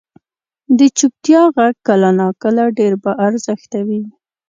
• د چپتیا ږغ کله ناکله ډېر با ارزښته وي.